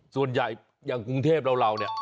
ส่วนใหญ่อย่างกรุงเทพเราเนี่ย